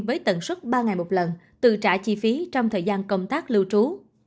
với tận suất ba ngày một lần tự trả chi phí trong thời gian công tác lưu trú